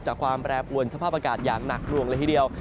ความแปรปวนสภาพอากาศอย่างหนักหน่วงเลยทีเดียว